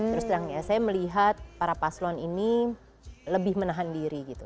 terus terang ya saya melihat para paslon ini lebih menahan diri gitu